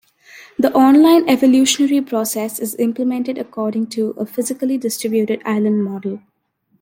The online evolutionary process is implemented according to a physically distributed island model.